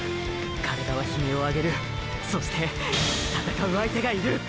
体は悲鳴を上げるそして闘う相手がいる！！